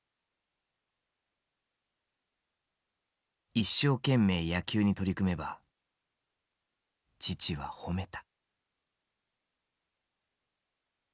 一生懸命野球に取り組めば父は褒めた。